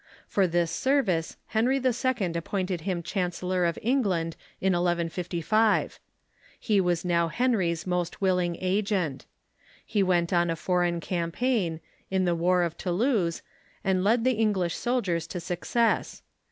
For this service Henry II. appointed him Chancellor of England in 1155. He was now Henry's most willing agent. He went on a foreign cam paign, in the war of Toulouse, and led the English soldiers to success.